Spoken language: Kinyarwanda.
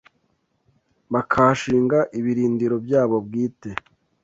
bakahashinga ibirindiro byabo bwite,